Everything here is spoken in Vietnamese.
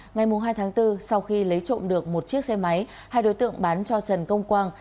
ngày hai tháng bốn sau khi lấy trộm được một chiếc xe máy hai đối tượng bán cho trần công quang